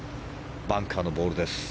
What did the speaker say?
バンカーのボールです。